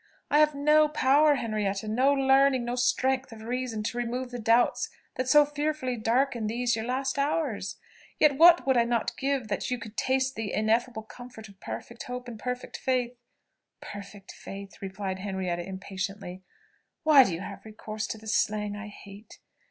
"I have no power, Henrietta, no learning, no strength of reason to remove the doubts that so fearfully darken these your last hours. Yet what would I not give that you could taste the ineffable comfort of perfect hope and perfect faith!" "Perfect faith!" repeated Henrietta impatiently "why do you have recourse to the slang I hate?